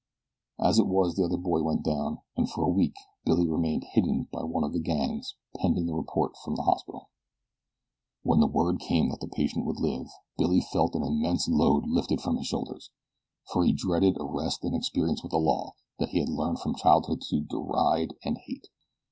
As it was the other boy went down, and for a week Billy remained hidden by one of the gang pending the report from the hospital. When word came that the patient would live, Billy felt an immense load lifted from his shoulders, for he dreaded arrest and experience with the law that he had learned from childhood to deride and hate.